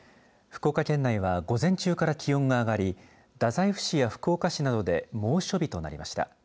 福岡県内は午前中から気温が上がり太宰府市や福岡市などで猛暑日となりました。